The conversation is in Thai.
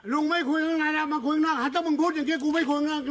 ลุงไม่คุยข้างในแล้วมาคุยข้างนอกถ้าต้องมึงพูดอย่างนี้